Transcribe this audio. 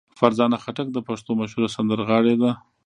فرزانه خټک د پښتو مشهوره سندرغاړې ده.